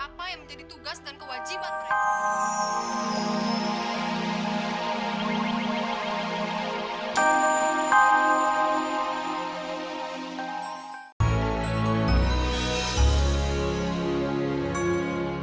apa yang menjadi tugas dan kewajiban mereka